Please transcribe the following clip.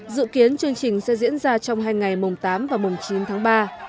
dự kiến chương trình sẽ diễn ra trong hai ngày mùng tám và mùng chín tháng ba